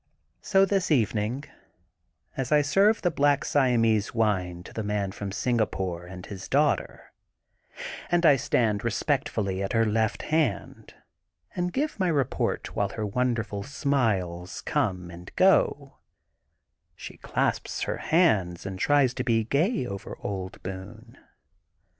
So this evening as I serve the black Siamese wine to the Man from Singapore and his daughter, and I stand respectfully at her left hand, and give my report while her wonder ful smiles come and go, she clasps her hands and tries to be gay over old Boone.